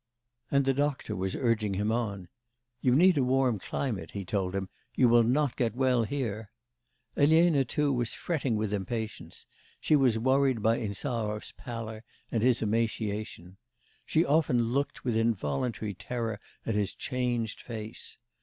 And the doctor was urging him on. 'You need a warm climate,' he told him; 'you will not get well here.' Elena, too, was fretting with impatience; she was worried by Insarov's pallor, and his emaciation. She often looked with involuntary terror at his changed face.